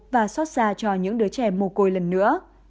và xót xa cho những đứa trẻ mồ côi lần nữa